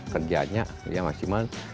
kerjanya ya maksimal